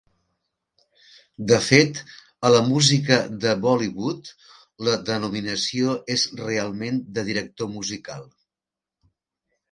De fet, a la música de Bollywood, la denominació és realment de director musical.